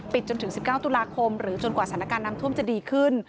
จนถึง๑๙ตุลาคมหรือจนกว่าสถานการณ์น้ำท่วมจะดีขึ้น